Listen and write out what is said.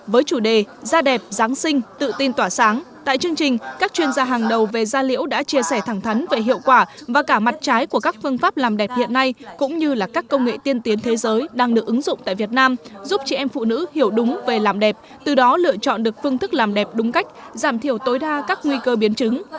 với chủ đề da đẹp giáng sinh tự tin tỏa sáng tại chương trình các chuyên gia hàng đầu về da liễu đã chia sẻ thẳng thắn về hiệu quả và cả mặt trái của các phương pháp làm đẹp hiện nay cũng như là các công nghệ tiên tiến thế giới đang được ứng dụng tại việt nam giúp chị em phụ nữ hiểu đúng về làm đẹp từ đó lựa chọn được phương thức làm đẹp đúng cách giảm thiểu tối đa các nguy cơ biến chứng